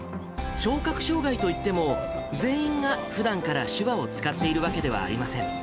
聴覚障がいといっても、全員がふだんから手話を使っているわけではありません。